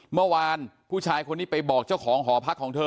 เมื่อวานนี้ผู้ชายคนนี้ไปบอกเจ้าของหอพักของเธอ